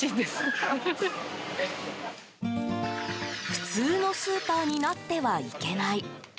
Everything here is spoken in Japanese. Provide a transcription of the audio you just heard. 普通のスーパーになってはいけない。